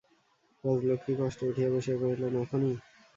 রাজলক্ষ্মী কষ্টে উঠিয়া বসিয়া কহিলেন, এখনই?